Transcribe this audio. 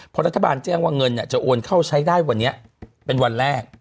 เพราะรัฐบาลแจ้งว่าเงินจะโอนเข้าใช้ได้วันนี้เป็นวันแรก